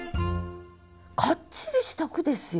かっちりした句ですよ。